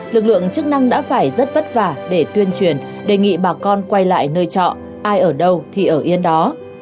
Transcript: lực lượng chức năng đã phải rất vất vả để tuyên truyền đề nghị bà con quay lại nơi trọ ai ở đâu thì ở yên đó